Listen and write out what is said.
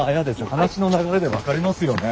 話の流れで分かりますよね？